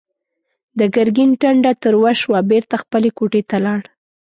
د ګرګين ټنډه تروه شوه، بېرته خپلې کوټې ته لاړ.